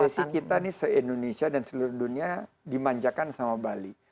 badai sih kita nih se indonesia dan seluruh dunia dimanjakan sama bali